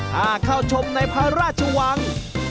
ถ้าเข้าชมในพระราชวัง